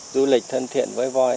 du lịch thân thiện với voi